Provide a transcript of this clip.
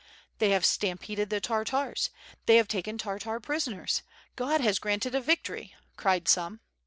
"They have stam peded the Tartars, they have taken Tartar prisoners; God has granted a victory," cried some.